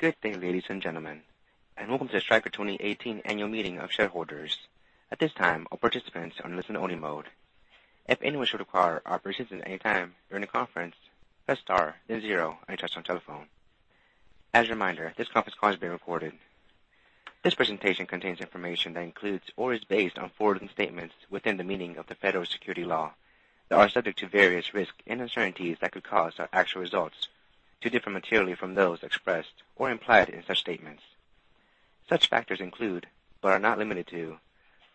Good day, ladies and gentlemen, and welcome to the Stryker 2018 Annual Meeting of Shareholders. At this time, all participants are in listen only mode. If anyone should require operator assistance at any time during the conference, press star then zero on your touch-tone telephone. As a reminder, this conference call is being recorded. This presentation contains information that includes or is based on forward-looking statements within the meaning of the Federal Securities Law that are subject to various risks and uncertainties that could cause our actual results to differ materially from those expressed or implied in such statements. Such factors include, but are not limited to,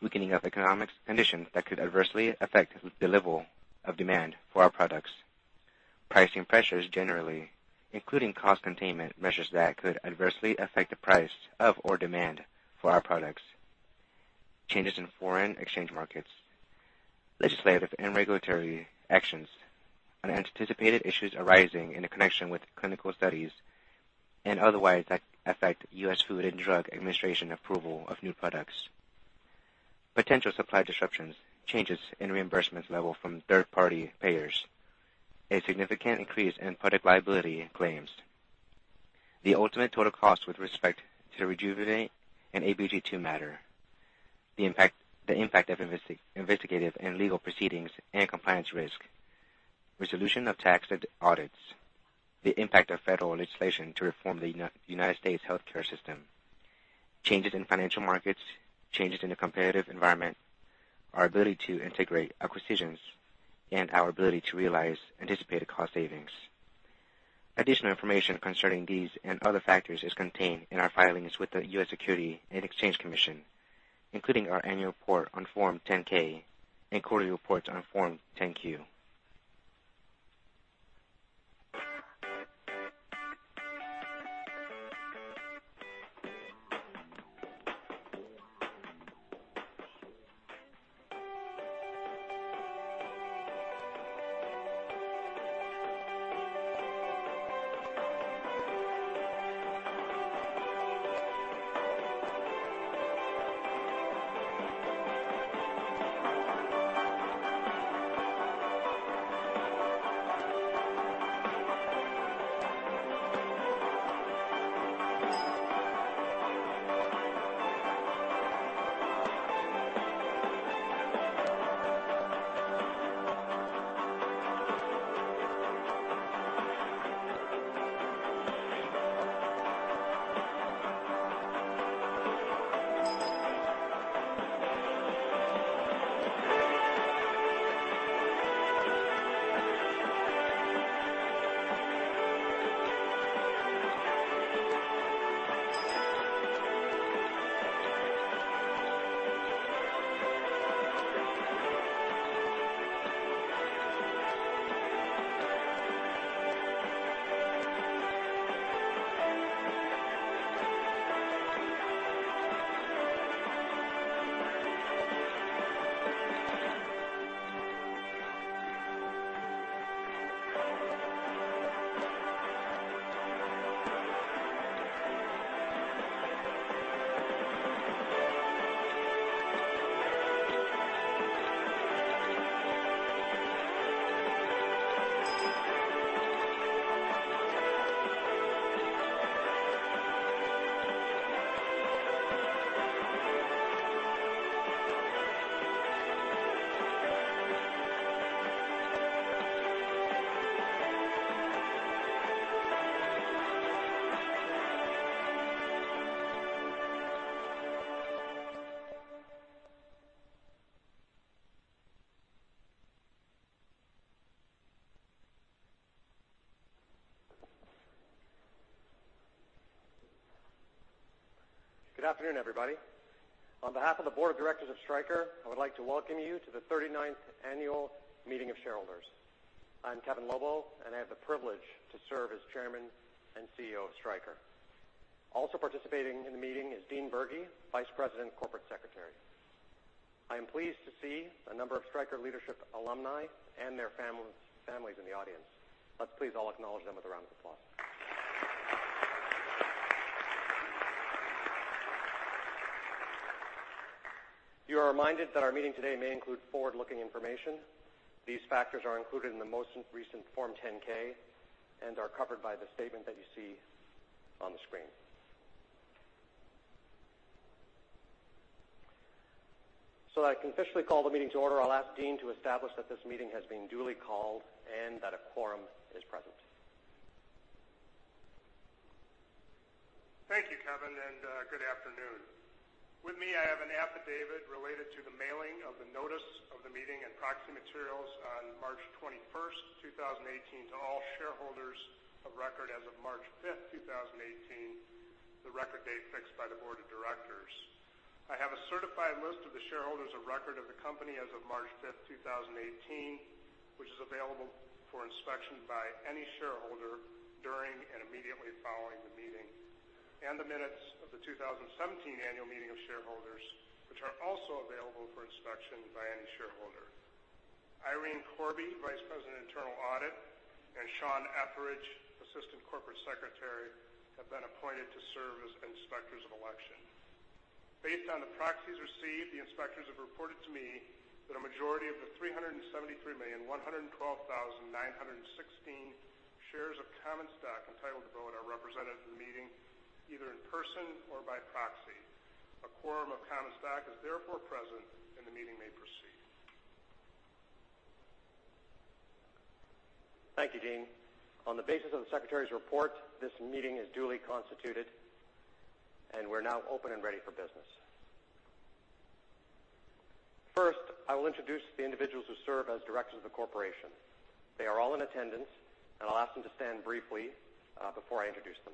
weakening of economic conditions that could adversely affect the level of demand for our products, pricing pressures generally, including cost containment measures that could adversely affect the price of or demand for our products, changes in foreign exchange markets, legislative and regulatory actions, and anticipated issues arising in connection with clinical studies and otherwise that affect U.S. Food and Drug Administration approval of new products, potential supply disruptions, changes in reimbursement level from third-party payers, a significant increase in product liability claims, the ultimate total cost with respect to the Rejuvenate and ABG II matter, the impact of investigative and legal proceedings and compliance risk, resolution of tax audits, the impact of federal legislation to reform the U.S. healthcare system, changes in financial markets, changes in the competitive environment, our ability to integrate acquisitions, and our ability to realize anticipated cost savings. Additional information concerning these and other factors is contained in our filings with the U.S. Securities and Exchange Commission, including our annual report on Form 10-K and quarterly reports on Form 10-Q. Good afternoon, everybody. On behalf of the Board of Directors of Stryker, I would like to welcome you to the 39th Annual Meeting of Shareholders. I'm Kevin Lobo, and I have the privilege to serve as Chairman and CEO of Stryker. Also participating in the meeting is Dean Bergy, Vice President and Corporate Secretary. I am pleased to see a number of Stryker leadership alumni and their families in the audience. Let's please all acknowledge them with a round of applause. You are reminded that our meeting today may include forward-looking information. These factors are included in the most recent Form 10-K and are covered by the statement that you see on the screen. That I can officially call the meeting to order, I'll ask Dean to establish that this meeting has been duly called and that a quorum is present. Thank you, Kevin, and good afternoon. With me, I have an affidavit related to the mailing of the notice of the meeting and proxy materials on March 21st, 2018, to all shareholders of record as of March 5th, 2018, the record date fixed by the board of directors. I have a certified list of the shareholders of record of the company as of March 5th, 2018, which is available for inspection by any shareholder during and immediately following the meeting, and the minutes of the 2017 Annual Meeting of Shareholders, which are also available for inspection by any shareholder. Irene Corby, Vice President, Internal Audit, and Sean Etheridge, Assistant Corporate Secretary, have been appointed to serve as inspectors of election. Based on the proxies received, the inspectors have reported to me that a majority of the 373,112,916 shares of common stock entitled to vote are represented at the meeting, either in person or by proxy. A quorum of common stock is therefore present, and the meeting may proceed. Thank you, Dean. On the basis of the secretary's report, this meeting is duly constituted, and we're now open and ready for business. First, I will introduce the individuals who serve as directors of the corporation. They are all in attendance, and I'll ask them to stand briefly before I introduce them.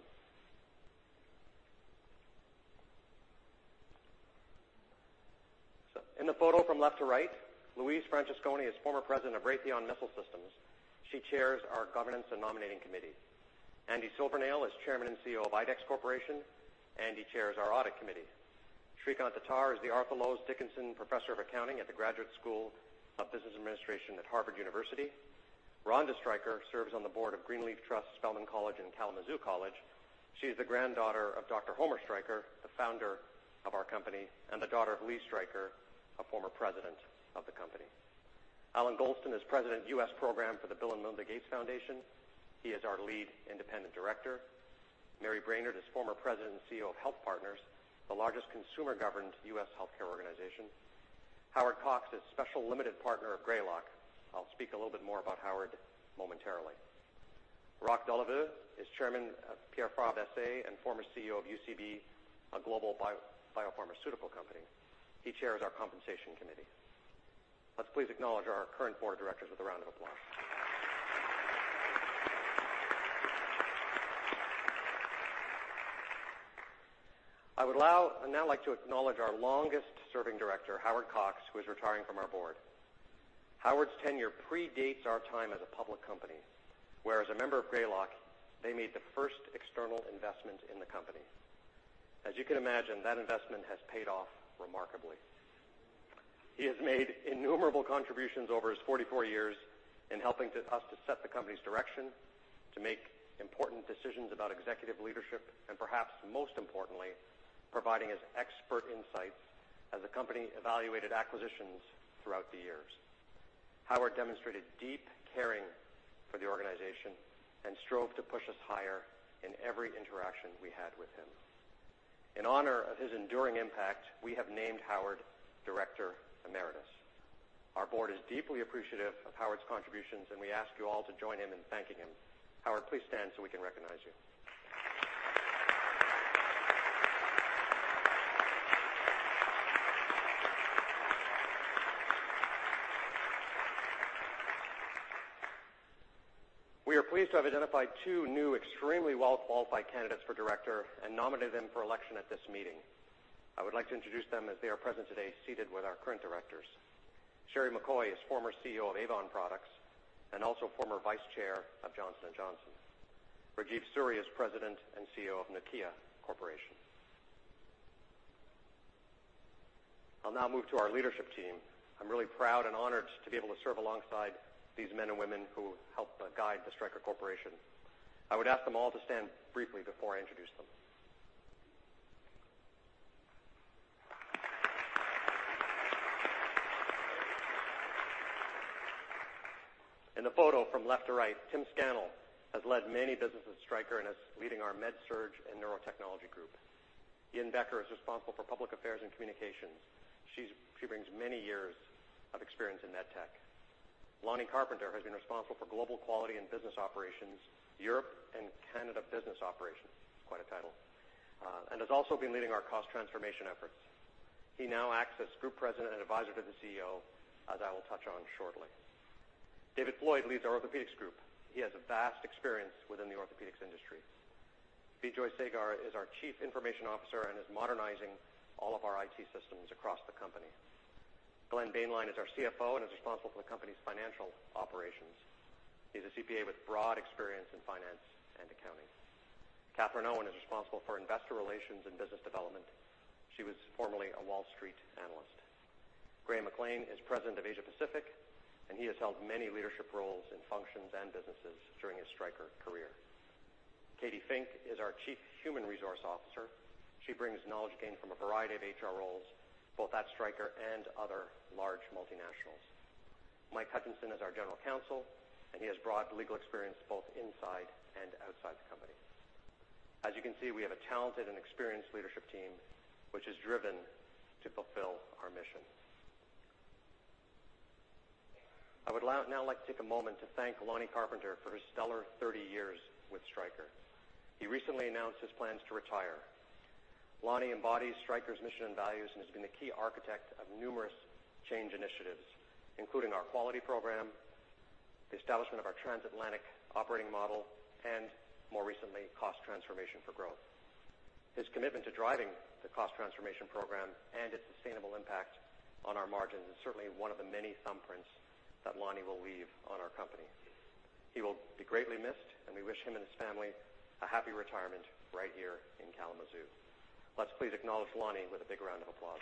In the photo from left to right, Louise Francesconi is former president of Raytheon Missile Systems. She chairs our Governance and Nominating Committee. Andy Silvernail is Chairman and CEO of IDEX Corporation. Andy chairs our Audit Committee. Srikant Datar is the Arthur Lowes Dickinson Professor of Accounting at the Graduate School of Business Administration at Harvard University. Ronda Stryker serves on the board of Greenleaf Trust, Spelman College, and Kalamazoo College. She is the granddaughter of Dr. Homer Stryker, the founder of our company, and the daughter of Lee Stryker, a former president of the company. Allan Golston is President of US Program for the Bill & Melinda Gates Foundation. He is our Lead Independent Director. Mary Brainerd is former president and CEO of HealthPartners, the largest consumer-governed US healthcare organization. Howard Cox is Special Limited Partner of Greylock. I'll speak a little bit more about Howard momentarily. Roch Doliveux is chairman of Pierre Fabre SA and former CEO of UCB, a global biopharmaceutical company. He chairs our Compensation Committee. Let's please acknowledge our current board of directors with a round of applause. I would now like to acknowledge our longest-serving director, Howard Cox, who is retiring from our board. Howard's tenure predates our time as a public company, where as a member of Greylock, they made the first external investment in the company. As you can imagine, that investment has paid off remarkably. He has made innumerable contributions over his 44 years in helping us to set the company's direction, to make important decisions about executive leadership, and perhaps most importantly, providing his expert insights as the company evaluated acquisitions throughout the years. Howard demonstrated deep caring for the organization and strove to push us higher in every interaction we had with him. In honor of his enduring impact, we have named Howard Director Emeritus. Our board is deeply appreciative of Howard's contributions, and we ask you all to join in thanking him. Howard, please stand so we can recognize you. We are pleased to have identified two new extremely well-qualified candidates for director and nominated them for election at this meeting. I would like to introduce them as they are present today, seated with our current directors. Sheri McCoy is former CEO of Avon Products and also former Vice Chair of Johnson & Johnson. Rajeev Suri is President and CEO of Nokia Corporation. I'll now move to our leadership team. I'm really proud and honored to be able to serve alongside these men and women who help guide the Stryker Corporation. I would ask them all to stand briefly before I introduce them. In the photo from left to right, Tim Scannell has led many businesses at Stryker and is leading our MedSurg and Neurotechnology group. Yin Becker is responsible for public affairs and communications. She brings many years of experience in MedTech. Lonny Carpenter has been responsible for global quality and business operations, Europe and Canada business operations, quite a title, and has also been leading our cost transformation efforts. He now acts as Group President and advisor to the CEO, as I will touch on shortly. David Floyd leads our Orthopaedics group. He has vast experience within the Orthopaedics industry. Bijoy Sagar is our Chief Information Officer and is modernizing all of our IT systems across the company. Glenn Boehnlein is our CFO and is responsible for the company's financial operations. He's a CPA with broad experience in finance and accounting. Katherine Owen is responsible for investor relations and business development. She was formerly a Wall Street analyst. Graham McLean is President of Asia Pacific. He has held many leadership roles in functions and businesses during his Stryker career. Katy Fink is our Chief Human Resources Officer. She brings knowledge gained from a variety of HR roles, both at Stryker and other large multinationals. Michael Hutchinson is our General Counsel. He has broad legal experience both inside and outside the company. As you can see, we have a talented and experienced leadership team, which is driven to fulfill our mission. I would now like to take a moment to thank Lonny Carpenter for his stellar 30 years with Stryker. He recently announced his plans to retire. Lonny embodies Stryker's mission and values and has been the key architect of numerous change initiatives, including our quality program, the establishment of our transatlantic operating model, and more recently, cost transformation for growth. His commitment to driving the cost transformation program and its sustainable impact on our margins is certainly one of the many thumbprints that Lonny will leave on our company. He will be greatly missed. We wish him and his family a happy retirement right here in Kalamazoo. Let's please acknowledge Lonny with a big round of applause.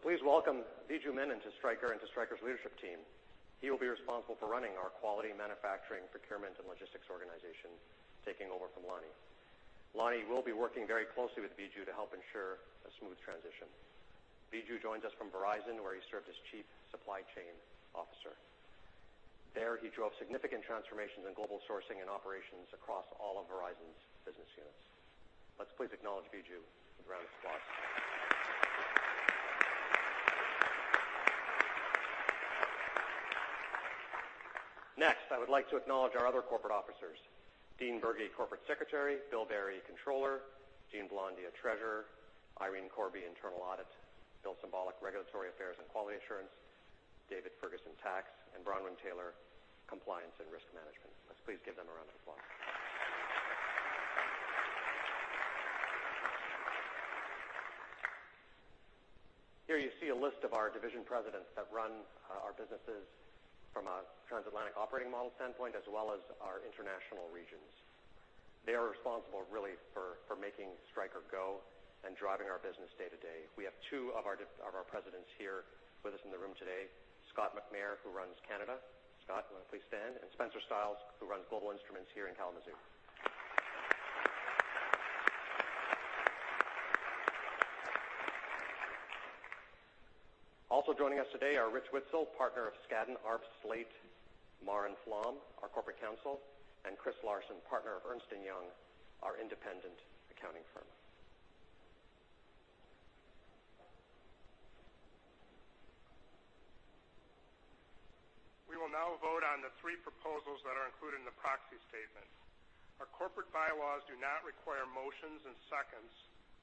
Please welcome Viju Menon into Stryker and to Stryker's leadership team. He will be responsible for running our quality manufacturing, procurement, and logistics organization, taking over from Lonny. Lonny will be working very closely with Viju to help ensure a smooth transition. Viju joins us from Verizon, where he served as Chief Supply Chain Officer. There, he drove significant transformations in global sourcing and operations across all of Verizon's business units. Let's please acknowledge Viju with a round of applause. Next, I would like to acknowledge our other corporate officers, Dean Bergy, Corporate Secretary, Bill Berry, Controller, Jeanne Blondia, Treasurer, Irene Corby, Internal Audit, Bill Cymbaluk, Regulatory Affairs and Quality Assurance, David Furgason, Tax, and Bronwen Taylor, Compliance and Risk Management. Let's please give them a round of applause. Here you see a list of our division presidents that run our businesses from a transatlantic operating model standpoint, as well as our international regions. They are responsible, really, for making Stryker go and driving our business day to day. We have two of our presidents here with us in the room today, Scott Maher, who runs Canada. Scott, you want to please stand. Spencer Stiles, who runs Global Instruments here in Kalamazoo. Also joining us today are Richard Witzel, partner of Skadden, Arps, Slate, Meagher & Flom, our corporate counsel, and Christopher Larsen, partner of Ernst & Young, our independent accounting firm. We will now vote on the three proposals that are included in the proxy statement. Our corporate bylaws do not require motions and seconds,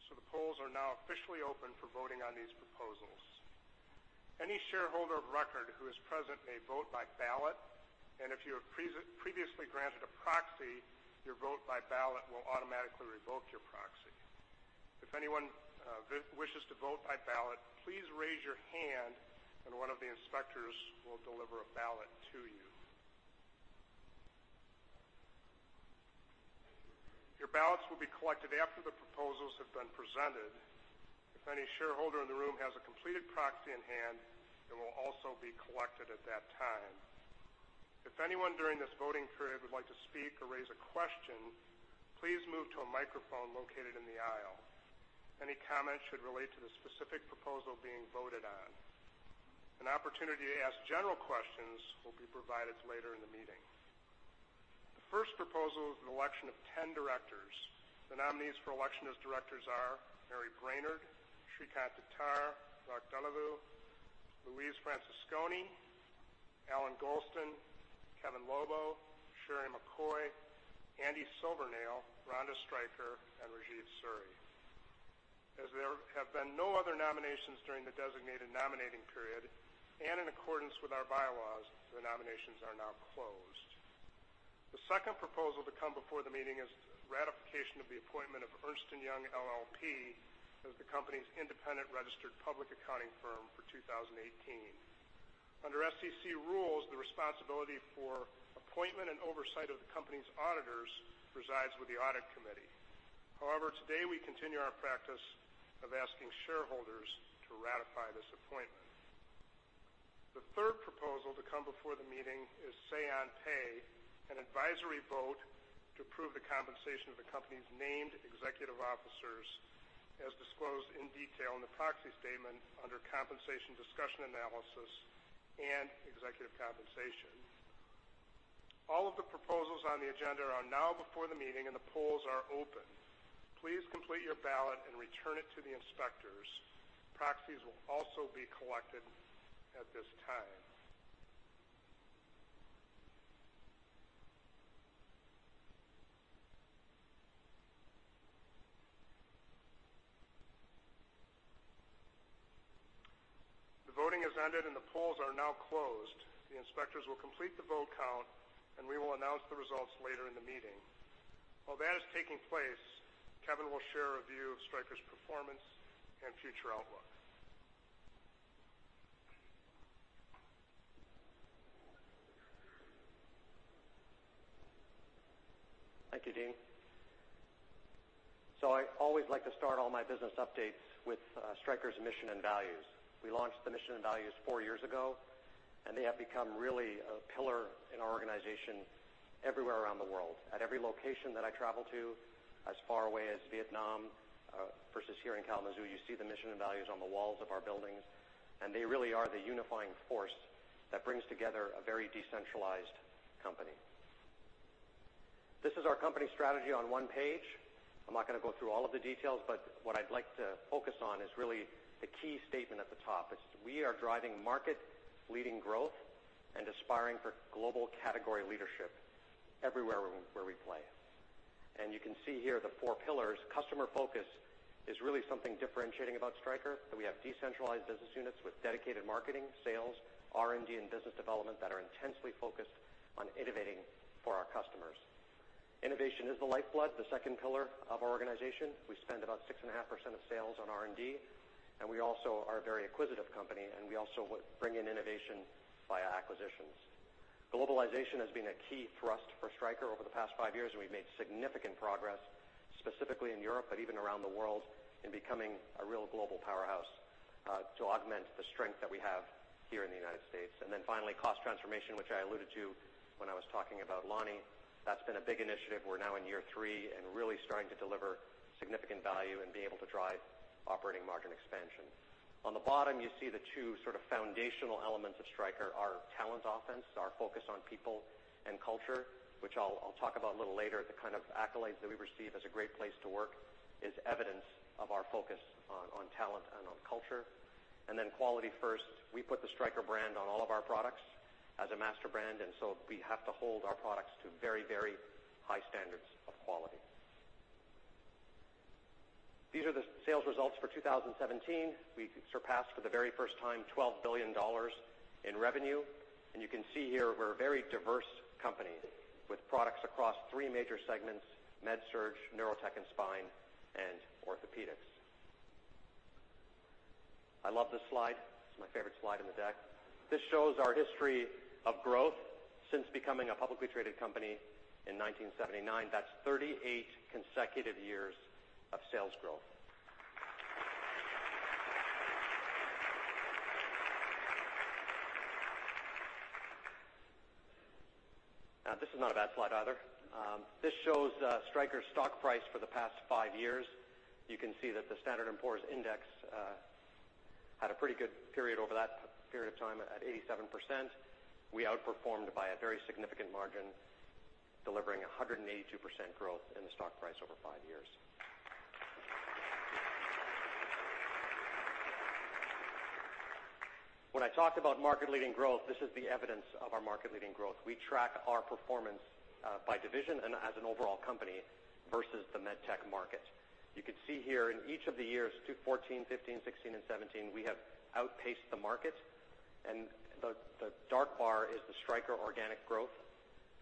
the polls are now officially open for voting on these proposals. Any shareholder of record who is present may vote by ballot, and if you have previously granted a proxy, your vote by ballot will automatically revoke your proxy. If anyone wishes to vote by ballot, please raise your hand and one of the inspectors will deliver a ballot to you. Your ballots will be collected after the proposals have been presented. If any shareholder in the room has a completed proxy in hand, it will also be collected at that time. If anyone during this voting period would like to speak or raise a question, please move to a microphone located in the aisle. Any comments should relate to the specific proposal being voted on. An opportunity to ask general questions will be provided later in the meeting. The first proposal is an election of 10 directors. The nominees for election as directors are Mary Brainerd, Srikant Datar, Roch Doliveux, Louise Francesconi, Allan Golston, Kevin Lobo, Sheri McCoy, Andrew Silvernail, Ronda Stryker, and Rajeev Suri. There have been no other nominations during the designated nominating period, and in accordance with our bylaws, the nominations are now closed. The second proposal to come before the meeting is ratification of the appointment of Ernst & Young LLP as the company's independent registered public accounting firm for 2018. Under SEC rules, the responsibility for appointment and oversight of the company's auditors resides with the audit committee. Today we continue our practice of asking shareholders to ratify this appointment. The third proposal to come before the meeting is Say on Pay, an advisory vote to approve the compensation of the company's named executive officers as disclosed in detail in the proxy statement under Compensation Discussion and Analysis and executive compensation. All of the proposals on the agenda are now before the meeting and the polls are open. Please complete your ballot and return it to the inspectors. Proxies will also be collected at this time. The voting has ended, and the polls are now closed. The inspectors will complete the vote count, and we will announce the results later in the meeting. While that is taking place, Kevin will share a view of Stryker's performance and future outlook. Thank you, Dean. I always like to start all my business updates with Stryker's mission and values. We launched the mission and values four years ago, and they have become really a pillar in our organization everywhere around the world. At every location that I travel to, as far away as Vietnam versus here in Kalamazoo, you see the mission and values on the walls of our buildings, and they really are the unifying force that brings together a very decentralized company. This is our company strategy on one page. I'm not going to go through all of the details, but what I'd like to focus on is really the key statement at the top. It's, we are driving market-leading growth and aspiring for global category leadership everywhere where we play. You can see here the four pillars. Customer Focus is really something differentiating about Stryker, that we have decentralized business units with dedicated marketing, sales, R&D, and business development that are intensely focused on innovating for our customers. Innovation is the lifeblood, the second pillar of our organization. We spend about 6.5% of sales on R&D, and we also are a very acquisitive company, and we also bring in innovation via acquisitions. Globalization has been a key thrust for Stryker over the past five years, and we've made significant progress, specifically in Europe, but even around the world, in becoming a real global powerhouse to augment the strength that we have here in the United States. Finally, Cost Transformation, which I alluded to when I was talking about Lonny. That's been a big initiative. We're now in year three and really starting to deliver significant value and be able to drive operating margin expansion. On the bottom, you see the two foundational elements of Stryker. Our Talent Offense, our focus on people and culture, which I'll talk about a little later. The kind of accolades that we receive as a great place to work is evidence of our focus on talent and on culture. Quality First. We put the Stryker brand on all of our products as a master brand, so we have to hold our products to very high standards of quality. These are the sales results for 2017. We surpassed, for the very first time, $12 billion in revenue. You can see here, we're a very diverse company with products across three major segments, MedSurg, Neurotechnology and Spine, and Orthopaedics. I love this slide. It's my favorite slide in the deck. This shows our history of growth since becoming a publicly traded company in 1979. That's 38 consecutive years of sales growth. This is not a bad slide either. This shows Stryker's stock price for the past five years. You can see that the Standard & Poor's Index had a pretty good period over that period of time at 87%. We outperformed by a very significant margin, delivering 182% growth in the stock price over five years. When I talked about market-leading growth, this is the evidence of our market-leading growth. We track our performance by division and as an overall company versus the MedTech market. You can see here in each of the years, 2014, 2015, 2016, and 2017, we have outpaced the market, and the dark bar is the Stryker organic growth,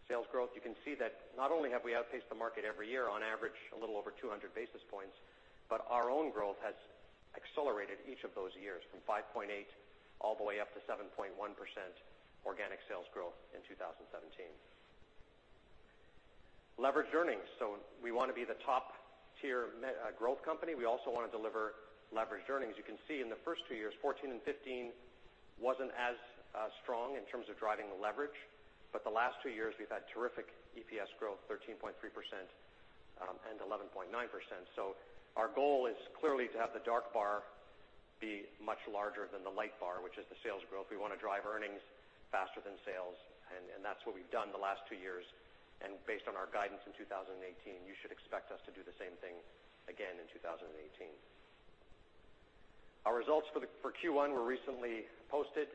sales growth. You can see that not only have we outpaced the market every year on average a little over 200 basis points, but our own growth has accelerated each of those years from 5.8% all the way up to 7.1% organic sales growth in 2017. Leveraged earnings. We want to be the top-tier growth company. We also want to deliver leveraged earnings. You can see in the first two years, 2014 and 2015 wasn't as strong in terms of driving the leverage. The last two years, we've had terrific EPS growth, 13.3% and 11.9%. Our goal is clearly to have the dark bar be much larger than the light bar, which is the sales growth. We want to drive earnings faster than sales, and that's what we've done the last two years. Based on our guidance in 2018, you should expect us to do the same thing again in 2018. Our results for Q1 were recently posted.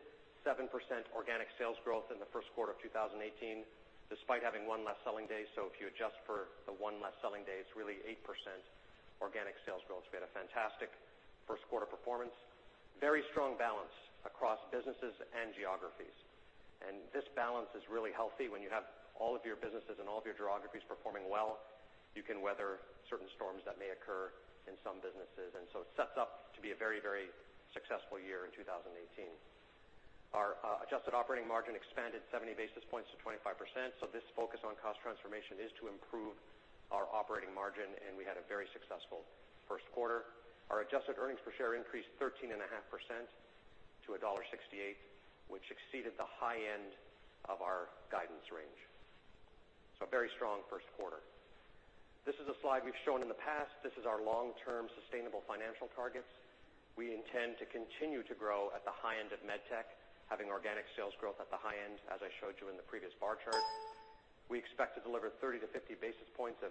7% organic sales growth in the first quarter of 2018, despite having one less selling day. If you adjust for the one less selling day, it's really 8% organic sales growth. We had a fantastic first quarter performance. Very strong balance across businesses and geographies. This balance is really healthy. When you have all of your businesses and all of your geographies performing well, you can weather certain storms that may occur in some businesses. It sets up to be a very successful year in 2018. Our adjusted operating margin expanded 70 basis points to 25%. This focus on cost transformation is to improve our operating margin, and we had a very successful first quarter. Our adjusted earnings per share increased 13.5% to $1.68, which exceeded the high end of our guidance range. A very strong first quarter. This is a slide we've shown in the past. This is our long-term sustainable financial targets. We intend to continue to grow at the high end of MedTech, having organic sales growth at the high end, as I showed you in the previous bar chart. We expect to deliver 30 to 50 basis points of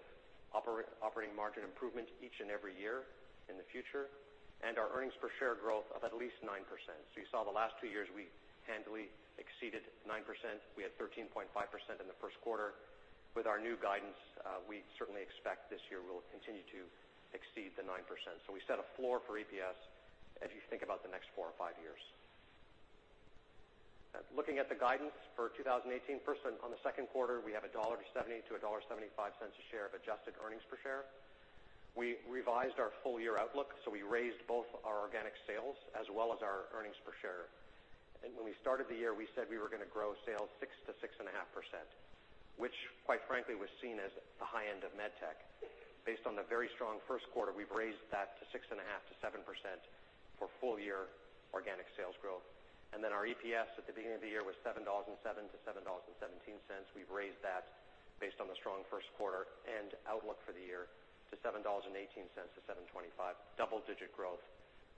operating margin improvement each and every year in the future, and our earnings per share growth of at least 9%. You saw the last two years, we handily exceeded 9%. We had 13.5% in the first quarter. With our new guidance, we certainly expect this year we'll continue to exceed the 9%. We set a floor for EPS as you think about the next four or five years. Looking at the guidance for 2018. First, on the second quarter, we have $1.70-$1.75 a share of adjusted earnings per share. We revised our full-year outlook, we raised both our organic sales as well as our earnings per share. When we started the year, we said we were going to grow sales 6%-6.5%, which quite frankly, was seen as the high end of MedTech. Based on the very strong first quarter, we've raised that to 6.5%-7% for full-year organic sales growth. Our EPS at the beginning of the year was $7.07-$7.17. We've raised that based on the strong first quarter and outlook for the year to $7.18-$7.25. Double-digit growth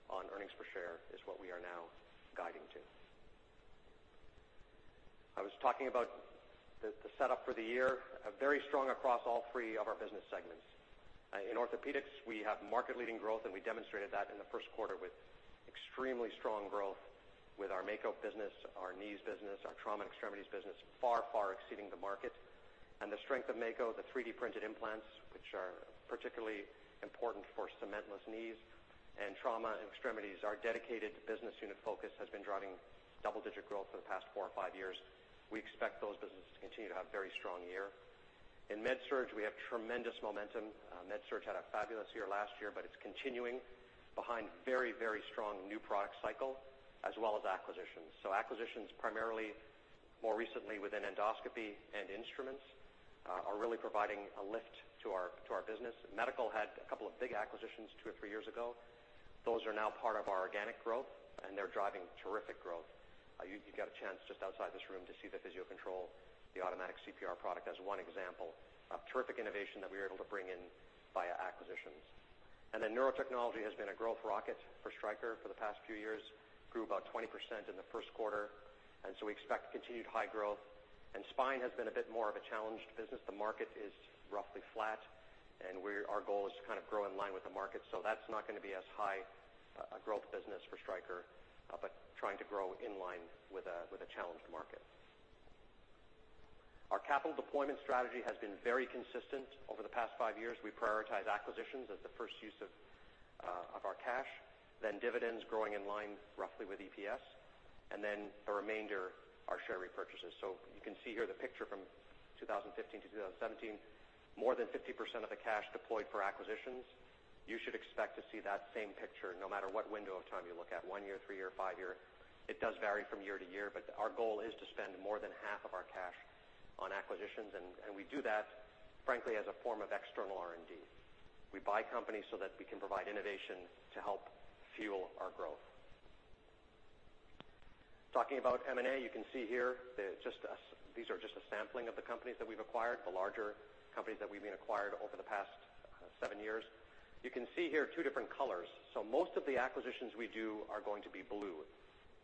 on earnings per share is what we are now guiding to. I was talking about the setup for the year. Very strong across all three of our business segments. In Orthopaedics, we have market-leading growth, and we demonstrated that in the first quarter with extremely strong growth with our Mako business, our knees business, our trauma and extremities business far exceeding the market. The strength of Mako, the 3D-printed implants, which are particularly important for cementless knees and trauma and extremities. Our dedicated business unit focus has been driving double-digit growth for the past four or five years. In MedSurg, we have tremendous momentum. MedSurg had a fabulous year last year, but it's continuing behind very strong new product cycle as well as acquisitions. Acquisitions primarily, more recently within endoscopy and instruments, are really providing a lift to our business. Medical had a couple of big acquisitions two or three years ago. Those are now part of our organic growth, and they're driving terrific growth. You got a chance just outside this room to see the Physio-Control, the automatic CPR product, as one example of terrific innovation that we were able to bring in via acquisitions. Neurotechnology has been a growth rocket for Stryker for the past few years. Grew about 20% in the first quarter, we expect continued high growth. Spine has been a bit more of a challenged business. The market is roughly flat, and our goal is to kind of grow in line with the market. That's not going to be as high a growth business for Stryker, but trying to grow in line with a challenged market. Our capital deployment strategy has been very consistent over the past five years. We prioritize acquisitions as the first use of our cash, dividends growing in line roughly with EPS, the remainder are share repurchases. You can see here the picture from 2015-2017, more than 50% of the cash deployed for acquisitions. You should expect to see that same picture no matter what window of time you look at, one year, three year, five year. It does vary from year to year, but our goal is to spend more than half of our cash on acquisitions, and we do that, frankly, as a form of external R&D. We buy companies so that we can provide innovation to help fuel our growth. Talking about M&A, you can see here, these are just a sampling of the companies that we've acquired, the larger companies that we've been acquired over the past seven years. You can see here two different colors. Most of the acquisitions we do are going to be blue,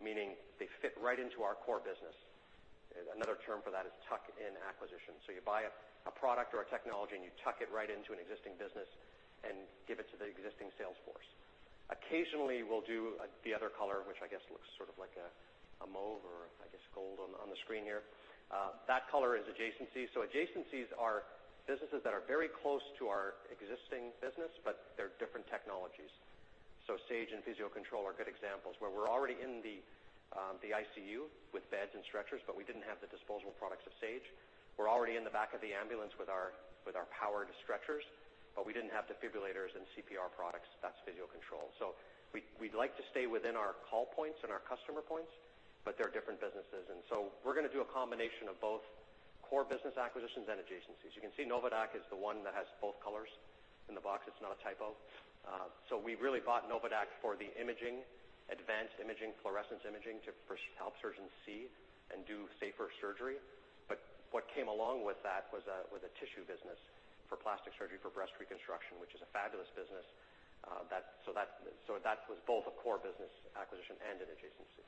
meaning they fit right into our core business. Another term for that is tuck-in acquisition. You buy a product or a technology, and you tuck it right into an existing business and give it to the existing sales force. Occasionally, we'll do the other color, which I guess looks sort of like a mauve or I guess gold on the screen here. That color is adjacencies. Adjacencies are businesses that are very close to our existing business, but they're different technologies. Sage and Physio-Control are good examples, where we're already in the ICU with beds and stretchers, but we didn't have the disposable products of Sage. We're already in the back of the ambulance with our powered stretchers, but we didn't have defibrillators and CPR products. That's Physio-Control. We'd like to stay within our call points and our customer points, but they're different businesses. We're going to do a combination of both core business acquisitions and adjacencies. You can see Novadaq is the one that has both colors in the box. It's not a typo. We really bought Novadaq for the imaging, advanced imaging, fluorescence imaging to help surgeons see and do safer surgery. What came along with that was a tissue business for plastic surgery for breast reconstruction, which is a fabulous business. That was both a core business acquisition and an adjacency.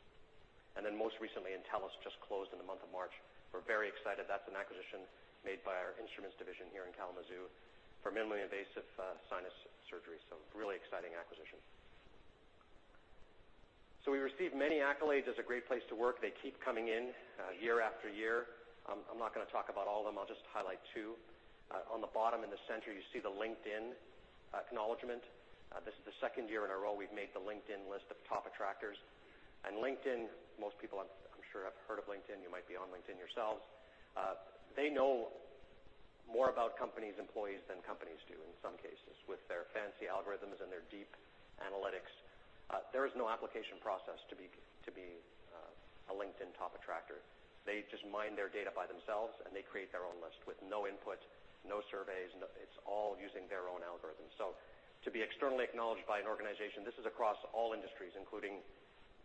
Most recently, Entellus just closed in the month of March. We're very excited. That's an acquisition made by our instruments division here in Kalamazoo for minimally invasive sinus surgery. Really exciting acquisition. We receive many accolades as a great place to work. They keep coming in year after year. I'm not going to talk about all of them. I'll just highlight two. On the bottom in the center, you see the LinkedIn acknowledgment. This is the second year in a row we've made the LinkedIn list of top attractors. LinkedIn, most people, I'm sure have heard of LinkedIn. You might be on LinkedIn yourselves. They know more about company's employees than companies do in some cases with their fancy algorithms and their deep analytics. There is no application process to be a LinkedIn top attractor. They just mine their data by themselves, and they create their own list with no input, no surveys. It's all using their own algorithms. To be externally acknowledged by an organization, this is across all industries, including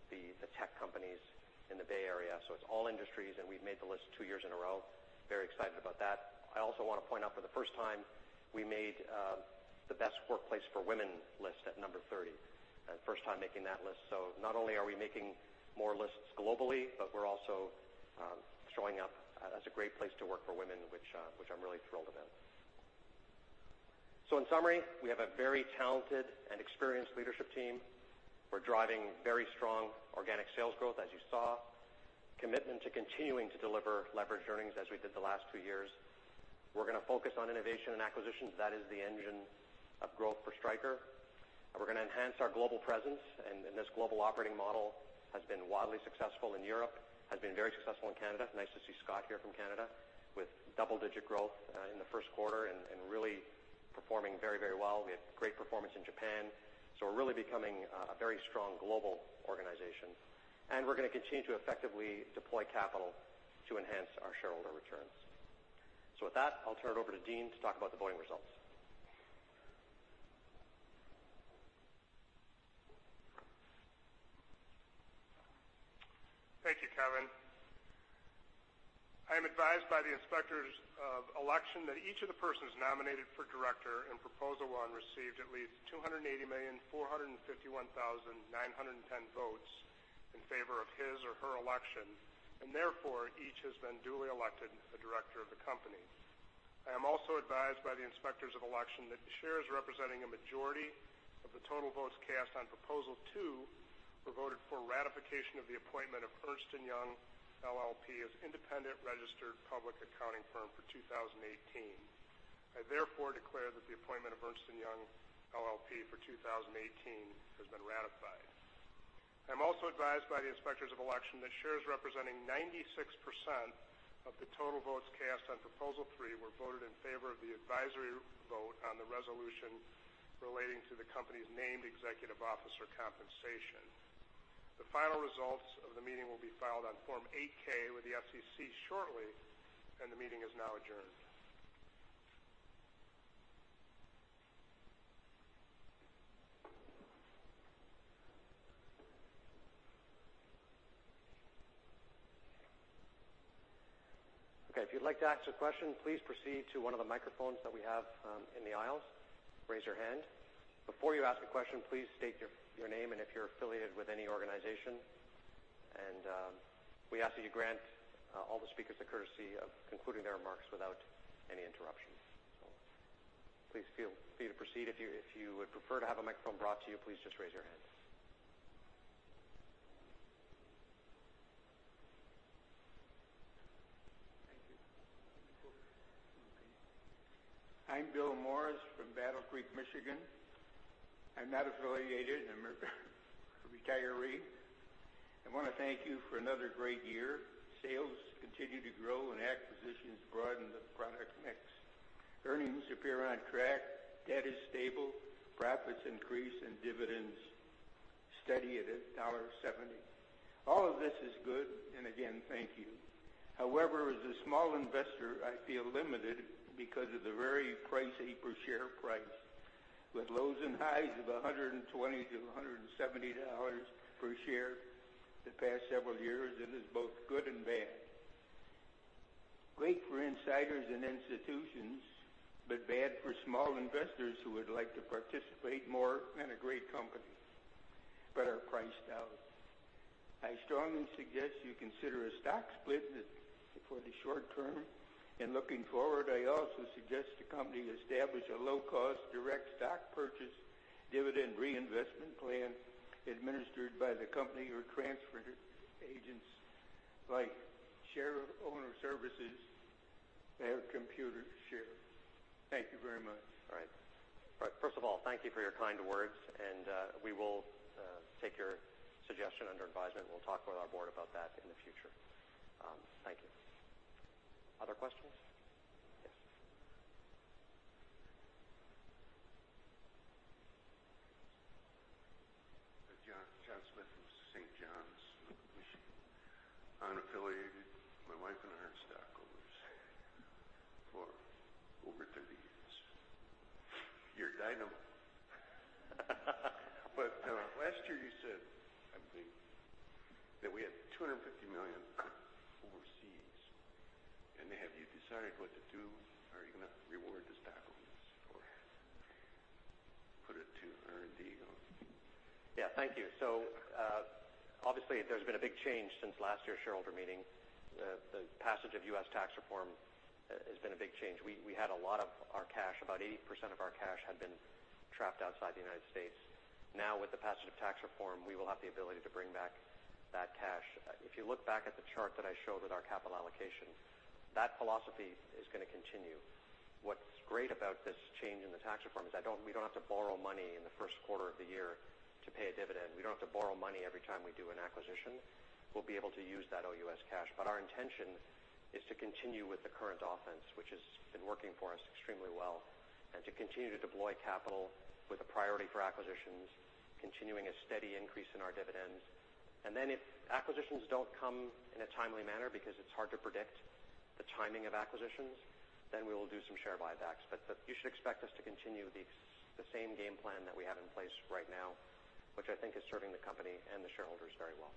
the tech companies in the Bay Area. It's all industries, and we've made the list two years in a row. Very excited about that. I also want to point out for the first time, we made the best workplace for women list at number 30. First time making that list. Not only are we making more lists globally, but we're also showing up as a great place to work for women, which I'm really thrilled about. In summary, we have a very talented and experienced leadership team. We're driving very strong organic sales growth, as you saw. Commitment to continuing to deliver leveraged earnings as we did the last two years. We're going to focus on innovation and acquisitions. That is the engine of growth for Stryker. We're going to enhance our global presence, this global operating model has been wildly successful in Europe, has been very successful in Canada. Nice to see Scott here from Canada with double-digit growth in the first quarter and really performing very, very well. We have great performance in Japan. We're really becoming a very strong global organization, and we're going to continue to effectively deploy capital to enhance our shareholder returns. With that, I'll turn it over to Dean to talk about the voting results. Thank you, Kevin. I am advised by the Inspectors of Election that each of the persons nominated for director in Proposal 1 received at least 280,451,910 votes in favor of his or her election, and therefore, each has been duly elected a director of the company. I am also advised by the Inspectors of Election that the shares representing a majority of the total votes cast on Proposal 2 were voted for ratification of the appointment of Ernst & Young LLP as independent registered public accounting firm for 2018. I therefore declare that the appointment of Ernst & Young LLP for 2018 has been ratified. I'm also advised by the Inspectors of Election that shares representing 96% of the total votes cast on Proposal 3 were voted in favor of the advisory vote on the resolution relating to the company's named executive officer compensation. The final results of the meeting will be filed on Form 8-K with the SEC shortly. The meeting is now adjourned. Okay, if you'd like to ask a question, please proceed to one of the microphones that we have in the aisles. Raise your hand. Before you ask a question, please state your name and if you're affiliated with any organization. We ask that you grant all the speakers the courtesy of concluding their remarks without any interruption. Please feel free to proceed. If you would prefer to have a microphone brought to you, please just raise your hand. Thank you. I'm Bill Morris from Battle Creek, Michigan. I'm not affiliated; I'm a retiree. I want to thank you for another great year. Sales continue to grow. Acquisitions broaden the product mix. Earnings appear on track, debt is stable, profits increase. Dividends steady at $1.70. All of this is good. Again, thank you. However, as a small investor, I feel limited because of the very pricey per share price. With lows and highs of $120-$170 per share the past several years, it is both good and bad. Great for insiders and institutions. Bad for small investors who would like to participate more in a great company but are priced out. I strongly suggest you consider a stock split for the short term. Looking forward, I also suggest the company establish a low-cost direct stock purchase dividend reinvestment plan administered by the company or transfer agents like EQ Shareowner Services or Computershare. Thank you very much. All right. First of all, thank you for your kind words. We will take your suggestion under advisement. We'll talk with our board about that in the future. Thank you. Other questions? Yes. John Smith from St. Johns, Michigan. Unaffiliated. My wife and I are stockholders for over 30 years. You're dynamo. Last year you said, I believe, that we had $250 million overseas. Have you decided what to do? Are you going to reward the stockholders or put it to R&D? Yeah. Thank you. Obviously there's been a big change since last year's shareholder meeting. The passage of U.S. tax reform has been a big change. We had a lot of our cash, about 80% of our cash had been trapped outside the U.S. Now, with the passage of tax reform, we will have the ability to bring back that cash. If you look back at the chart that I showed with our capital allocation, that philosophy is going to continue. What's great about this change in the tax reform is we don't have to borrow money in the first quarter of the year to pay a dividend. We don't have to borrow money every time we do an acquisition. We'll be able to use that OUS cash. Our intention is to continue with the current offense, which has been working for us extremely well, and to continue to deploy capital with a priority for acquisitions, continuing a steady increase in our dividends. If acquisitions don't come in a timely manner, because it's hard to predict the timing of acquisitions, then we will do some share buybacks. You should expect us to continue the same game plan that we have in place right now, which I think is serving the company and the shareholders very well.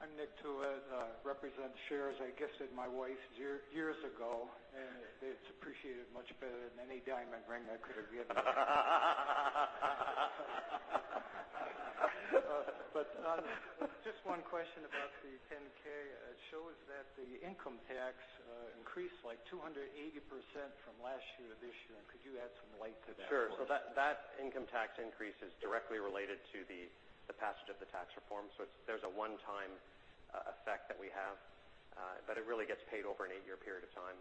I'm Nick Tuiz. I represent shares I gifted my wife years ago, and it's appreciated much better than any diamond ring I could have given her. Just one question about the 10-K. It shows that the income tax increased 280% from last year to this year. Could you add some light to that for us? Sure. That income tax increase is directly related to the passage of the tax reform. There's a one-time effect that we have. It really gets paid over an eight-year period of time,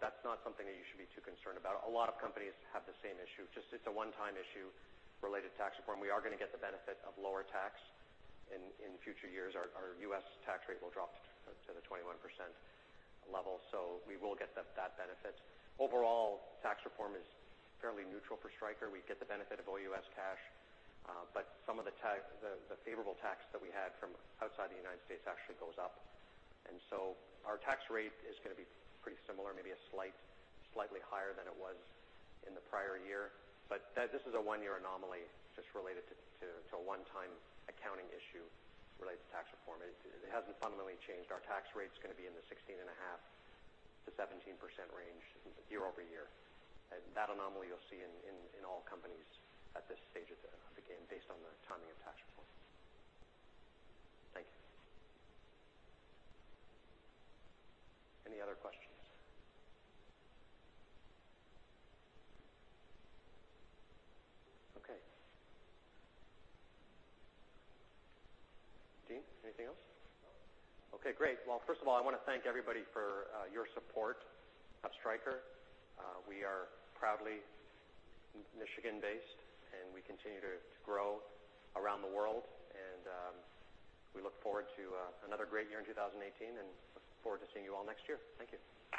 that's not something that you should be too concerned about. A lot of companies have the same issue. Just it's a one-time issue related to tax reform. We are going to get the benefit of lower tax in future years. Our U.S. tax rate will drop to the 21% level, we will get that benefit. Overall, tax reform is fairly neutral for Stryker. We get the benefit of OUS cash. Some of the favorable tax that we had from outside the U.S. actually goes up. Our tax rate is going to be pretty similar, maybe slightly higher than it was in the prior year. This is a one-year anomaly just related to a one-time accounting issue related to tax reform. It hasn't fundamentally changed. Our tax rate's going to be in the 16.5%-17% range year-over-year. That anomaly you'll see in all companies at this stage of the game based on the timing of tax reform. Thank you. Any other questions? Okay. Dean, anything else? No. Okay, great. Well, first of all, I want to thank everybody for your support of Stryker. We are proudly Michigan-based, and we continue to grow around the world. We look forward to another great year in 2018 and look forward to seeing you all next year. Thank you.